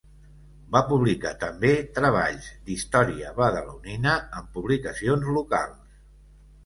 Va publicar també treballs d'història badalonina en publicacions locals.